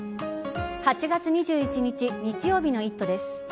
８月２１日日曜日の「イット！」です。